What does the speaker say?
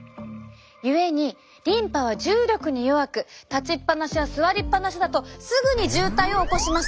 故にリンパは重力に弱く立ちっぱなしや座りっぱなしだとすぐに渋滞を起こします。